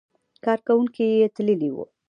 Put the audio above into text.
کارکوونکي یې تللي وو.